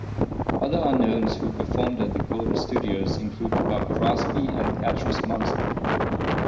Other unknowns who performed at the Golden Studios include Bob Crosby and Patrice Munsel.